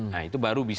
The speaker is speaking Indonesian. nah itu baru bisa